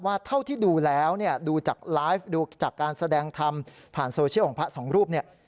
เท่าที่ดูแล้วเนี่ยดูจากไลฟ์ดูจากการแสดงธรรมผ่านโซเชียลของพระสองรูปเนี่ย